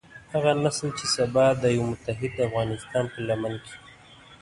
هغه نسل چې سبا د يوه متحد افغانستان په لمن کې.